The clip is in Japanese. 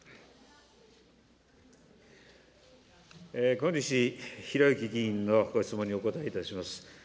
小西洋之議員のご質問にお答えいたします。